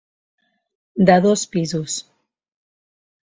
De dos pisos.